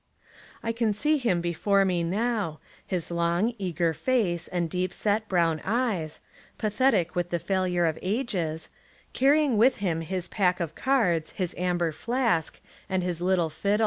I can see him before me now, his long, eager face and deep set, brown eyes, pathetic with the failure of ages — carrying with him his pack of cards, his amber flask, and his little fiddle.